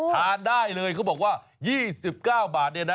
ทานได้เลยเขาบอกว่า๒๙บาทเนี่ยนะ